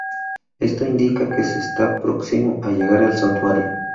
Esto indica que se está próximo a llegar al Santuario.